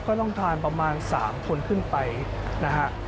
ต้องทานประมาณ๓คนขึ้นไปนะฮะ